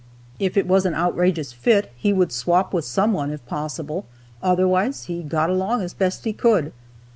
If it was an outrageous fit, he would swap with some one if possible, otherwise he got along as best he could.